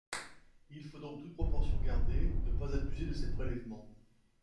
Il faut donc toute proportion gardée ne pas abuser de ces prélèvements.